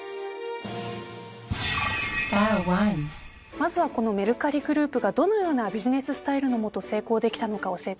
まずはこのメルカリグループがどのようなビジネススタイルの下成功できたのか教えてください。